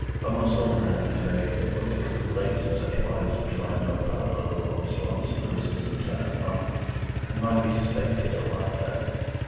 Almost all men are afraid that what they could relate in such wise would find no parallel or response in a listener's internal life, and might be suspected or laughed at.